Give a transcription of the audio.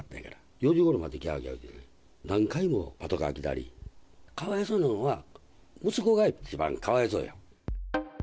４時ごろまでぎゃーぎゃーぎゃーぎゃー、何回もパトカー来たり、かわいそうなんは息子が一番かわいそうや。